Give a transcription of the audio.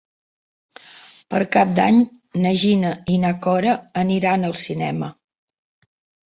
Per Cap d'Any na Gina i na Cora aniran al cinema.